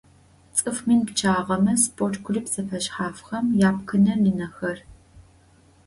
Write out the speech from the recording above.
ЦӀыф мин пчъагъэмэ спорт клуб зэфэшъхьафхэм япкъынэ-лынэхэр